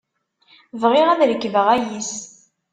Bɣiɣ ad rekbeɣ ayis.